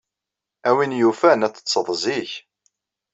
A win yufan, ad teḍḍsed zik.